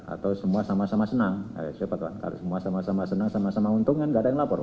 atau semua sama sama senang semua sama sama senang sama sama untung kan enggak ada yang lapor